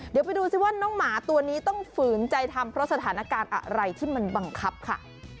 เดี๋ยวไปดูสิว่าน้องหมาตัวนี้ต้องฝืนใจทำเพราะสถานการณ์อะไรที่มันบังคับค่ะ